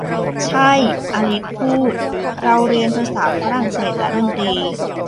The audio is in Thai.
'ใช่' อลิซพูด 'เราเรียนภาษาฝรั่งเศสและดนตรี'